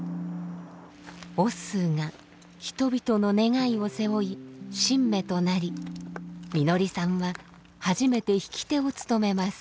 オッスーが人々の願いを背負い神馬となりみのりさんは初めて引き手を務めます。